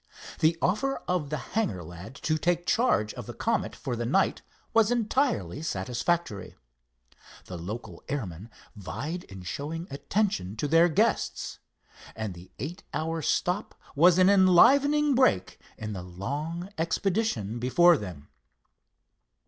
The offer of the hangar lad to take charge of the Comet for the night was entirely satisfactory. The local airmen vied in showing attention to their guests, and the eight hours stop was an enlivening break in the long expedition before them.